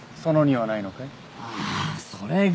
あそれが。